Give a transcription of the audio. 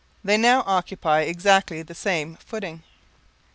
They now occupy exactly the same footing.